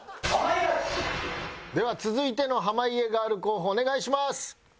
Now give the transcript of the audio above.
では続いての濱家ガール候補お願いします。